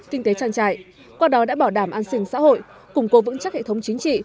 kinh tế trang trại qua đó đã bảo đảm an sinh xã hội củng cố vững chắc hệ thống chính trị